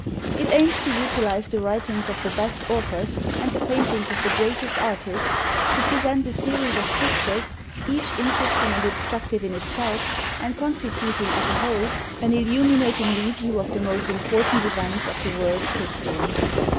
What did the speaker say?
It aims to utilize the writings of the best authors and the paintings of the greatest artists to present a series of pictures, each interesting and instruc tive in itself, and constituting as a whole an illuminating review of the most important events of the world's history.